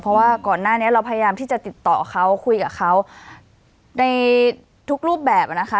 เพราะว่าก่อนหน้านี้เราพยายามที่จะติดต่อเขาคุยกับเขาในทุกรูปแบบนะคะ